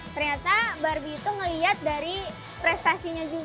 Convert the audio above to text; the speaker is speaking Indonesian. ternyata barbie itu melihat dari prestasinya juga